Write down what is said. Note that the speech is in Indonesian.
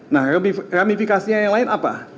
nah ramifikasinya yang lain apa